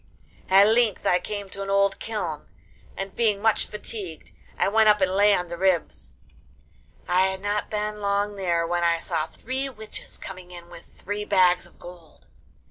At length I came to an old kiln, and being much fatigued I went up and lay on the ribs. I had not been long there when I saw three witches coming in with three bags of gold.